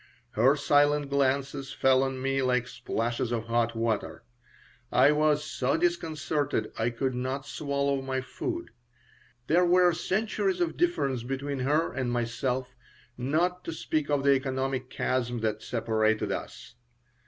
Her silent glances fell on me like splashes of hot water. I was so disconcerted I could not swallow my food. There were centuries of difference between her and myself, not to speak of the economic chasm that separated us.